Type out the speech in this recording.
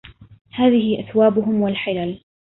هذه أثوابهم والحلل